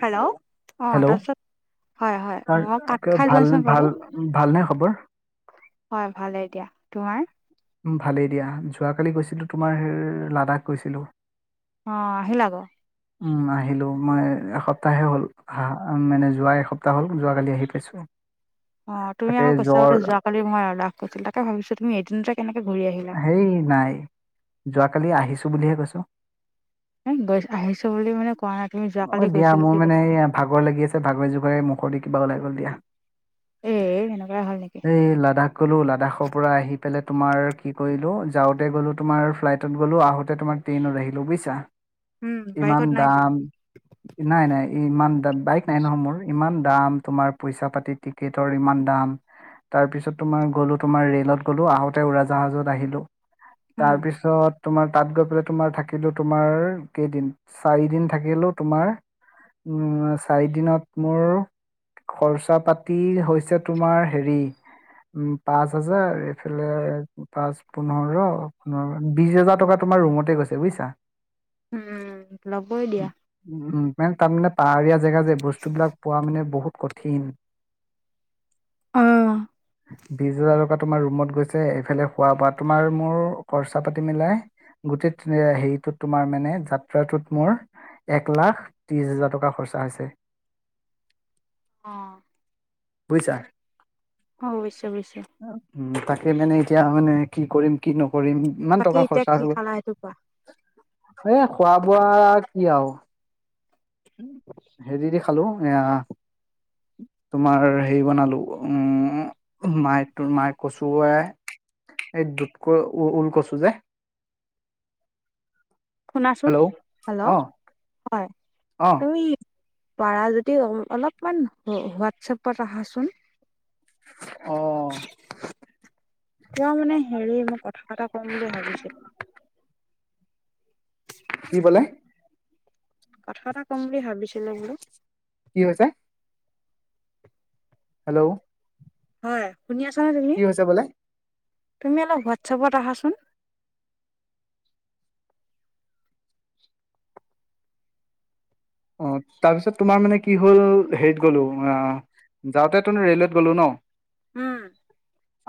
Hello অ', hello তাৰছত হয় হয় তাৰ মই কাত খাই ভাল যোৱাচোন পালো। ভাল ভালনে খবৰ হয় ভালে দিয়া তোমাৰ। ভালেই দিয়া যোৱাকালি গৈছিলোঁ তোমাৰ লাডাখ গৈছিলোঁ। অ আহিলা গৈ উম আহিলো মই এসপ্তাহে হ'ল আহা মানে যোৱা এসপ্তাহ হল যোৱা কালি আহি পাইছো [inaudible] অ তুমি তাকে আকৌ কৈছা জ্বৰ বোলে যোৱাকালি মই লাডাখ গৈছিলো তাকে ভাবিছো তুমি এদিনতে কেনেকে ঘূৰি আহিল হেই নাই যোৱাকালি আহিছো বুলিহে কৈছো এ গৈ আহিছো বুলি মানে কোৱা নাই তুমি অ যোৱাকালি দিয়া গৈছিলো মোৰ বুলি মানে কৈছা এই ভাগৰ লাগি আছে ভাগৰে জোগৰে মুখৰ দি কিবা ওলাই গল দিয়া এ এনেকুৱাই হ'ল নেকি এই লাডাখ গলো লাডাখৰ পৰা আহি পেলাই তোমাৰ কি কৰিলো যাওঁতে গ'লো তোমাৰ ফ্লাইটত গ'লো আহোঁতে তোমাৰ ট্ৰেইনত আহিলো বুইছা উম বাইকত ইমান নাই দাম [unintelligible] নাই নাই ইমান দা বাইক নাই নহয় মোৰ ইমান দাম তোমাৰ পইচা পাতি টিকেটৰ ইমান দাম। তাৰ পিছত তোমাৰ গলো তোমাৰ ৰেলত গ'লো আহোতে উৰাজাহাজত আহিলো উম তাৰপিছ ছত তোমাৰ তাত গৈ পেলাই তোমাৰ থাকিলো তোমাৰ কেইদিন। চাৰি দিন থাকিলো তোমাৰ উম চাৰি দিনত মোৰ খৰচা পাতি হৈছে তোমাৰ হেৰি উম পাঁচ হাজাৰ এইফালে পাঁচ পোন্ধৰ পোন্ধৰ বিছ হাজাৰ টকা তোমাৰ ৰুমতে গৈছে বুইছা উম লবই দিয়া উম মে তাৰ মানে পাহাৰীয়া জেগা যে বস্তুবিলাক পোৱা মানে বহুত কঠিন অ বিছ হাজাৰ টকা তোমাৰ ৰুমত গৈছে এইফালে খোৱা বোৱা তোমাৰ মোৰ খৰচা পাতি মিলাই গোটেই তেনেকে হেৰিটোত তোমাৰ মানে যাত্ৰাটোত মোৰ এক লাখ ত্ৰিশ হাজাৰ টকা খৰচা হৈছে অ বুইছা অ বুজিছো বুজিছো উ তাকে মানে এতিয়া মানে কি কৰিম কি নকৰিম ইমান বাকী টকা এতিয়া খৰচা কি হৈ খালা সেইটো কোৱা গল এ খোৱা বোৱা কি আও হেৰি দি খালো এ তোমাৰ হেৰি বনালো উম মায়তো মাই কচোৱে এই দুত কৈ ঊ ঊল কচু যে শুনাচোন হেল্ল' অ অ হেল্ল' হয় তুমি পাৰা যদি অলপমান হোৱাটছএপত আহা চোন অ তেওঁ মানে হেৰি মই কথা এটা কম বুলি ভাবিছিলো কি বোলে কথা এটা ক'ম বুলি ভাবিছিলে বোলো কি হৈছে হেল্ল' হয় শুনি আছ নে তুমি কি হৈছে বোলে তুমি অলপ হোৱাটছপত আহা চোন অ তাৰপিছত তোমাৰ মানে কি হ'ল হেৰিত গ'লো অ যাওঁতে তুম ৰেলৱেত গলো ন উম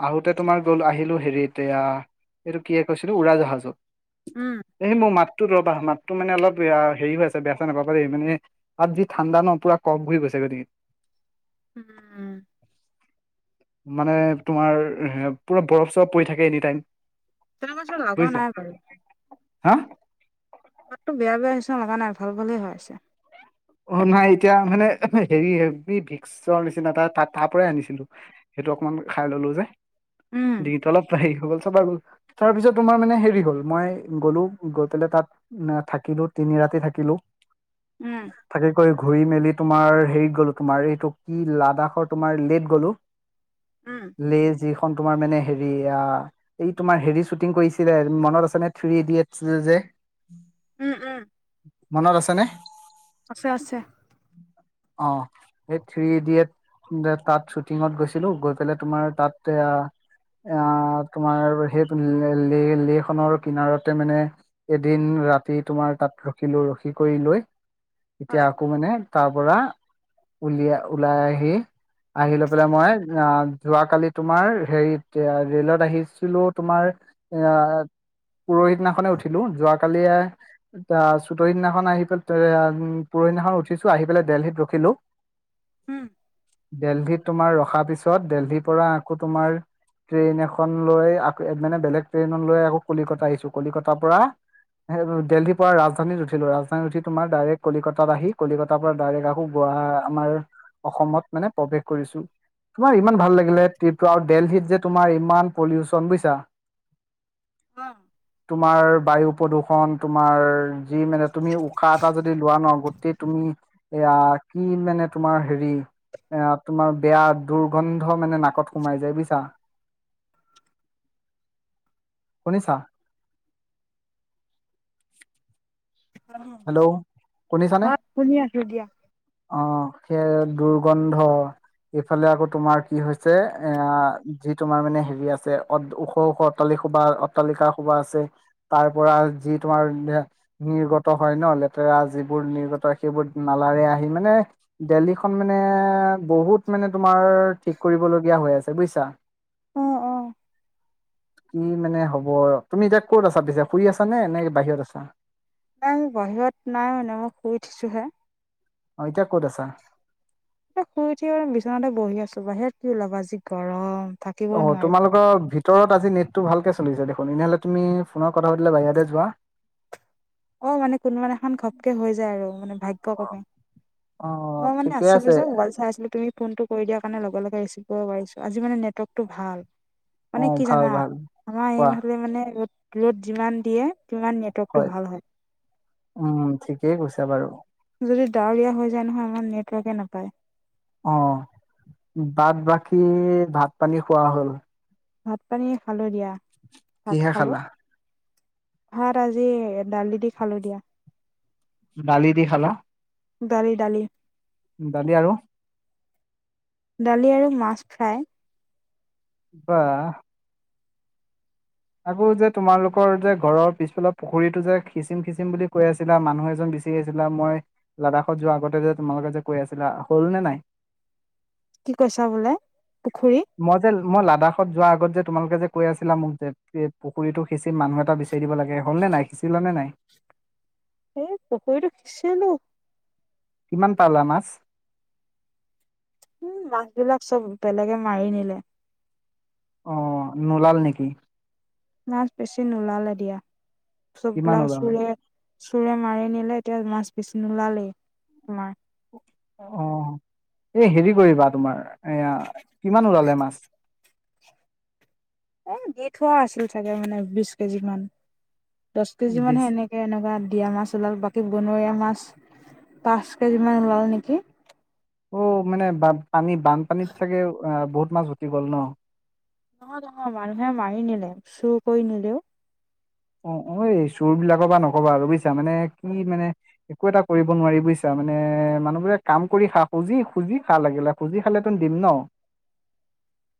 আহোতে তোমাৰ গলো আহিলো হেৰি এয়া এইটো কি কৈছিলো উৰাজাহাজত উম এই মোৰ মাতটো ৰবা মাতটো মানে অলপ হেৰি হৈ আছে বেয়া চেয়া না মানে তাত যি ঠাণ্ডা ন পুৰা কম ঘূৰি গৈছে গতিকে উম মানে তোমাৰ পুৰা বৰফ চৰফ পৰি থাকে এনি টাইম তিনি বছৰ লগা বুজিছা নাই বাৰু হা তাততো বেয়া বেয়া হৈছে লগা নাই ভাল ভালে হৈ আছে অ নাই এতিয়া মানে হেৰি হে ভিক্সৰ নিচিনা এটা তাত তাৰ পৰাই আনিছিলো সেইটো অকমান খাই ললো যে উম ডিঙিটো অলপ হেই হল গল তাৰ পিছত তোমাৰ মানে হেৰি হ'ল মই গ'লো গৈ পেলাই তাত না থাকিলো তিনি ৰাতি থাকিলো উম থাকি কৈ ঘূৰি মেলি তোমাৰ হেৰিত গলো তোমাৰ এইটো কি লাডাখৰ তোমাৰ লেট গ'লো উম লে যিখন তোমাৰ মানে হেৰি অ এই তোমাৰ হেৰি শ্বুটিং কৰিছিলে মনত আছে ন থ্ৰী ইডিয়েটছ যে উম উম মনত আছেনে আছে আছে অ সেই থ্ৰী ইডিয়েট যে তাত শ্বুটিঙত গৈছিলো গৈ পেলাই তোমাৰ তাত এয়া আহ তোমাৰ সেই লে লেহখনৰ কিনাৰতে মানে এদিন ৰাতি তোমাৰ তাত ৰখিলো ৰখি কৰি লৈ এতিয়া হয় আকৌ মানে তাৰ পৰা, উলিয়াই ওলাই আহি আহি লৈ পেলাই মই আ‍ঁহ যোৱাকালি তোমাৰ হেৰিত ৰেলত আহিছিলো তোমাৰ [unintelligible] পৰহি দিদিনাখনে উঠিলো, যোৱাকালি চতৰসি দিনাখন আহি পেলাই পুৰহিদিনাখন উঠিছো, আহি পেলাই দেল্লীত ৰখিলো। উম। দেলহিত তোমাৰ ৰখা পিছত, দেলহিৰ পৰা আকৌ তোমাৰ ট্ৰেইন এখন লৈ আকৌ মানে বেলেগ ট্ৰেইন লৈ আকৌ কলিকতা আহিছো, কলিকতাৰ পৰা দেলহিৰ পৰা ৰাজধানীত উঠিলো, ৰাজধানী উঠি তোমাৰ ডাইৰেক্ট কলিকত ত আহি কলিকতাৰ পৰা ডাইৰেক্ট আকৌ গুৱাহাটী আমাৰ অসমত মানে প্ৰৱেশ কৰিছো। তোমাৰ ইমান ভাল লাগিলে ট্ৰিপটো আৰু দেলহিত যে তোমাৰ ইমান পলিউশ্যন বুজিছা। অ তোমাৰ বায়ু প্ৰদূষণ তোমাৰ যি মানে তুমি উশাহ এটা যদি লোৱা ন, গো টেই তুমি এয়া কি মানে তোমাৰ হেৰি এ তোমাৰ বেয়া দুৰ্গন্ধ মানে নাকত সোমাই যায় বুজিছা। [inaudible] শুনিছা? হেল্ল' হয়, শুনি আছো দিয়া। অঁ সেইয় দুৰ্গন্ধ। এইফালে আকৌ তোমাৰ কি হৈছে, এ যি তোমাৰ মানে হেৰি আছে ওখ ওখ। অট্টালিক সোপা অট্টালিকা সোপা আছে তাৰ পৰা যি তোমাৰ নিৰ্গত ত হয় ন লেতেৰা যিবোৰ নিৰ্গত সেইবোৰ নালাৰে আহি মানে দেল্হীখন মানে বহুত মানে তোমাৰ ঠিক কৰিবলগীয়া হৈ আছে বুজিছা। অঁ অঁ। কি মানে হ'ব তুমি এতিয়া ক'ত আছা, পিছে ফুৰি আছা নে নে বাহিৰত আছা? নাই বাহিৰত নাই মানে মই শুই উঠি। অঁ এতিয়া ক'ত আছা? শুই উঠিব আৰু বিচনাতে বহি আছো, বাহিৰত কি ওলাব যি গৰম। থাকিব অ নোৱাৰি তোমালোকৰ ভি তৰত আজি নেটটো ভালকে চলি দেখোন, এনেহ'লে তুমি ফোনৰ কথা পাতিলে বাহিৰতে যোৱা। অঁ, মানে কোনোবা দিনাখন ঘপকে হৈ যায় আৰু মানে ভাগ্য কমে। অ', মই মানে ঠিকে আছিলো আছে যে মোবাইল চাই আছিলো, তুমি ফোনটো কৰি দিয়াৰ কাৰণে লগে ৰিচিভ কৰিব পাৰিছো, আজি মানে নেটৱৰ্কটো ভাল। মানে অ', কি ভাল জানা ভাল। আমাৰ এই কোৱা ফালে মানে ৰ'দ ৰ'দ যিমান দিয়ে সিমান নেট ৱৰ্কটো ভাল হয়। উম ঠিকেই কৈছো বাৰু। যদি ডাৱৰীয়া হৈ যায় নহয় আমাৰ নেটৱৰ্কে নাপায়। অঁ, বাট বাকী ভাত পানী খোৱা হ'ল। অঁ, ভাত পানী খালো দিয়া, ভাত কিহে খালো। খালা? ভাত আজি দালি দি খালো দিয়া। ডালি দি খালা। দালি দালি। দালি আৰু দালি আৰু মাছ ফ্ৰাই। বা আকৌ যে তোমালোকৰ যে ঘৰৰ পিছফালে পুখুৰীটো যে খিচিম-খিচিম বুলি কৈ আছিলা মানুহ এজন বিচ [unintelligible] বিচাৰি আছিলা। মই লাডাখত যোৱা আগতে যে তোমালোকে যে কৈ আছিলা হ'ল নে নাই? [unintelligible] কি কৈছা বোলে পুখুৰী? [unintelligible] মই যে মই লাডাখত যোৱা আগত যে তোমালোকে যে কৈ আছিলা মোক যে পুুখুৰীটো সিঁচিম মানুহ এটা [unintelligible] বিচাৰি দিব লাগে। হ'ল নে নাই সিচিলা নে নাই? [unintelligible] এই পুখুৰীটো সিঁচিলোঁ [unintelligible] কিমান পালা মাছ? [inaudible] উম মাছ বিলাক চব বেলেগে মাৰি নিলে। [unintelligible] অঁ! নোলাল নেকি? [unintelligible] নাই বেছি নোলালে দিয়া। কিমান চববিলাক ওলালে চুৰে [unintelligible] চোৰে মাৰি নিলে এতিয়া মাছ বেছি নোলালেই তোমাৰ। [inaudible] অঁ! এই হেৰি কৰিবা তোমাৰ এয়া কিমান ওলালে মাছ? [unintelligible] এ দি থোৱা আছিল চাগে মানে বিছ কেজি মান দহ কেজি বিশ মানহে এনেই [unintelligible] এনেকুৱা দিয়া মাছ ওলাল বাকী বনৰীয়া মাছ পাঁচ কেজি মান ওলাল নেকি? [unintelligible] অঁ মানে বান পানী বানপানীত চাগে অ বহুত মাছ উটি গ'ল ন? [unintelligible] নহয়-নহয়, মানুহে মাৰি নিলে চুৰ কৰি নিলেও। [unintelligible] অ-অ এই চোৰবিলাকৰ পৰা নকবা আৰু বুজিছা মানে কি মানে [unintelligible] একো এটা কৰিব নোৱাৰি বুজিছা মানে মানুহবোৰে কাম কৰি খা, খুজি-খুজি খা লাগিলে। [unintelligible] খুজি খালেটো দিম ন। [unintelligible]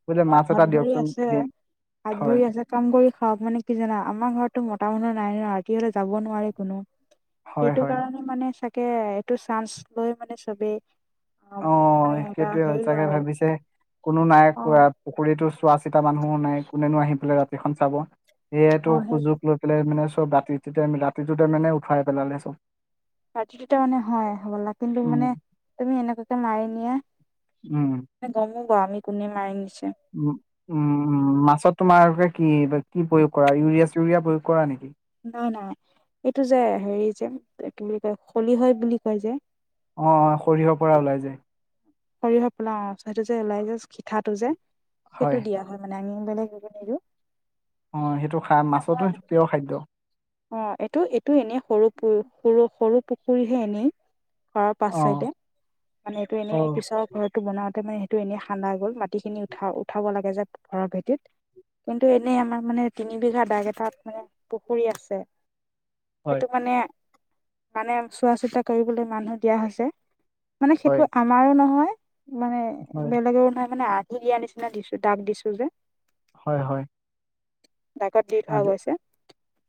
বোলে অঁ! মাছ এটা হাত-ভৰি দিয়কচোন আছে, দিম হয় হাত-ভৰি আছে [unintelligible] কাম কৰি খাওক মানে কি জানা আমাৰ ঘৰতো মতা মানুহ নাই ন ৰাতি হ'লে যাব নোৱাৰে কোনো। [unintelligible] হয় সেইটো হয় কাৰণে মানে চাগে এইটো চান্স লৈ মানে চবেই। [unintelligible] অঁ! মানে এটা সেইটোৱেই হেৰি লয় চাগে আৰু ভাবিছে কোনো নাই অ কৰাত। [unintelligible] পুখুৰীতো চোৱা-চিতা মানুহো নাই। কোনেনো আহি পেলাই ৰাতিখন চাব অ সেয়াইটো সেইটো সুযোগ লৈ [unintelligible] সেইফালে মানে চব ৰাতিটোতে-ৰাতিটোতে মানে উঠুৱাই পেলালে চব। [unintelligible] ৰাতিটোতে মানে হয় হবলা কিন্তু উম মানে তুমি এনেকুৱাকে মাৰি নিয়া উম [unintelligible] মানে গমো পাওঁ আমি কোনে মাৰি নিছে। [unintelligible] [unintelligible] উম-উম মাছত তোমালোকে কি কি প্ৰয়োগ কৰা ইউৰিয়া-চিউৰিয়া প্ৰয়োগ কৰা নেকি? [inaudible] নাই-নাই। এইটো যে হেৰি যে কি বুলি কয় খলিহয় বুলি কয় যে? [unintelligible] অঁ-অঁ! সৰিয়হৰ পৰা ওলাই যে? [unintelligible] সৰিয়হ পেলা অঁ সেইটো যে ওলাই যে পিঠাটো যে সেইটো দিয়া হয় মানে আনি বেলেগ নিদিওঁ। [unintelligible] অঁ সেইটো খায় মাছতো সেইটো প্ৰিয় খাদ্য। [unintelligible] অঁ! এইটো-এইটো এনেই সৰু-সৰু-সৰু পুখুৰীহে এনেই। [unintelligible] ঘৰৰ পাচ অ চাইডে মানে এইটো অ এনেই পিছৰ [unintelligible] ঘৰটো বনাওঁতে মানে সেইটো এনেই খান্দা গ'ল মাটিখিনি উঠা-উঠাব লাগে যে ঘৰৰ ভেটিত। [unintelligible] কিন্তু এনেই আমাৰ মানে তিনি বিঘা দাগ এটাত মানে পুখুৰী আছে। [unintelligible] [unintelligible] হয় সেইটো মানে মানে চোৱা-চিতা কৰিবলৈ মানুহ দিয়া হৈছে। মানে হয় সেইটো আমাৰো নহয় [unintelligible] মানে হয় বেলেগেও নহয় মানে আন্ধি দিয়াৰ নিচিনা দিছো দাক দিছো যে। [unintelligible] হয়-হয়। ডাকত দি থোৱা গৈছে।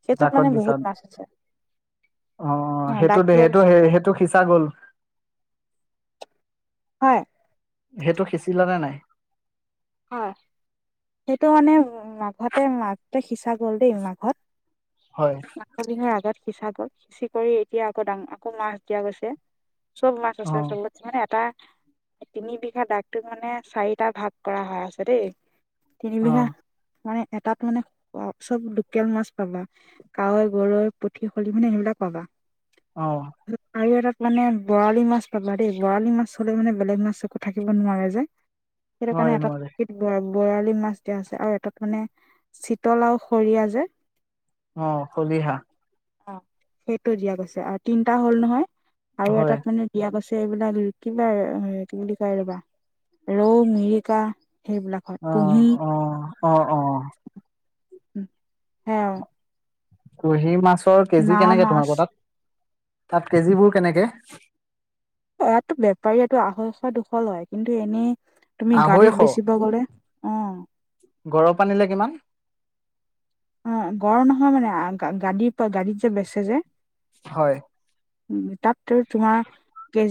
সেইটোত মানে বহুত মাছ আছে। [inaudible] অঁ-অঁ! অ সেইটো দাগ দে দিয়া সেইটো গৈছে [unintelligible] সেইটো সিঁচা গ'ল? হয়। [inaudible] সেইটো সিঁচিলা নে নাই? [unintelligible] হয়। সেইটো মানে মাঘতে মাজতে সিঁচা গল দেই মাঘত। [inaudible] হয়। মাঘৰ বিহুৰ আগত সিঁচা গ'ল চিকৰি কৰি এতিয়া আকৌ ডাঙ আকৌ মাছ দিয়া গৈছে। চব‌ মাছ আছিলে অ', তলত। মানে এটা তিনি বিঘা দাগটোত মানে চাৰিটা ভাগ কৰা হয় আছে দেই। তিন বিঘা অ', মানে এটাত মানে চব লোকেল মাছ পাবা। কাৱৈ গৰৈ পুঠি খলিহনা মানে সেইবিলাক পাবা। অ। আৰু এটাত মানে বৰালি মাছ পাবা দেই বৰালি মাছ হলে মানে বেলেগ মাছ একো থাকিব নোৱাৰে যে। সেইটো নোৱাৰে কাৰণে এটা নোৱাৰে, [inaudible] বৰালি মাছ দিয়া হৈছে আৰু এটাত মানে চিতল আৰু খৰিয়া যে‌ অ খলিহনা। অ সেইটো দিয়া গৈছে আৰু তিনটা হ'ল নহয় আৰু হয়, এটাত মানে ব এইবিলাক কিবা কি বুলি কয় ৰবা ৰৌ মিৰিকা সেইবিলাকত অ', কুহি অ', অ', অ', সে কুহি মাছৰ কেজি নাও কেনেকে মাছ তোমালোকৰ তাত তাত কেজিবোৰ কেনেকে ইয়াতো বেপাৰীটোৰ আঢ়ৈশ দুশ লয় কিন্তু এনেই তুমি আঢ়ৈশ, গাড়ীত বেচিব গলে অ গৰম পানীলৈ কিমান? অ গড় নহয় মানে গাডীৰ গাডীত যে বেচে যে হয়। উম তাত ত তোমাৰ কেজি